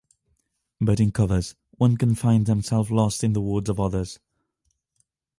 But in covers one can find themself lost in the words of others.